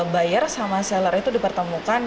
buyer sama seller itu dipertemukan